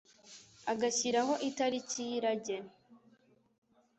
agashyiraho itariki y'irage